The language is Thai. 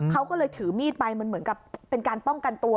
เขาก็เลยถือมีดไปมันเหมือนกับเป็นการป้องกันตัว